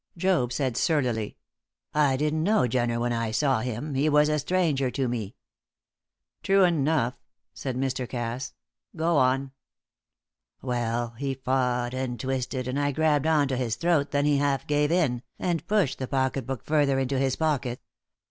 Job said, surlily. "I didn't know Jenner when I saw him; he was a stranger to me." "True enough," said Mr. Cass. "Go on." "Well, he fought and twisted, and I grabbed on to his throat then he half gave in, and pushed the pocket book further into his pocket.